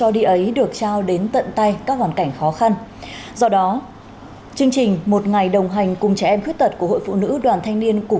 do đó các em không còn bất hạnh nữa